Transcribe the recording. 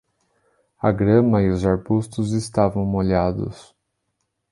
A grama e os arbustos estavam molhados.